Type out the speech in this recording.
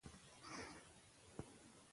هغه لیک چې تا لیږلی و ما ترلاسه کړ.